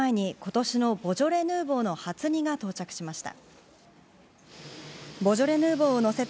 来月の解禁を前に今年のボジョレ・ヌーボーの初荷が到着しました。